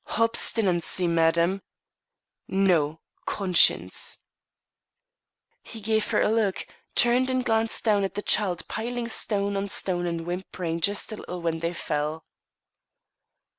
"Obstinacy, madam." "No; conscience." He gave her a look, turned and glanced down at the child piling stone on stone and whimpering just a little when they fell.